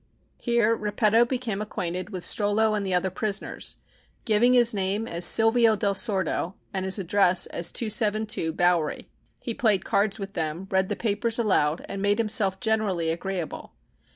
Here Repetto became acquainted with Strollo and the other prisoners, giving his name as Silvio del Sordo and his address as 272 Bowery. He played cards with them, read the papers aloud and made himself generally agreeable.